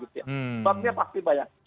faktornya pasti banyak